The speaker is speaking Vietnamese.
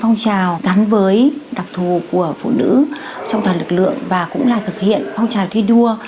phong trào gắn với đặc thù của phụ nữ trong toàn lực lượng và cũng là thực hiện phong trào thi đua